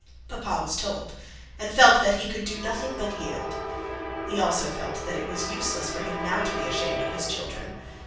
Papa was told, and felt that he could do nothing but yield. He also felt that it was useless of him now to be ashamed of his children.